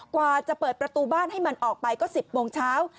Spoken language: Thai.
กว่าจะเปิดประตูบ้านให้มันออกไปก็๑๐โมงเช้า